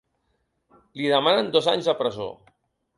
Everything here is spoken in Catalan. Li demanen dos anys de presó.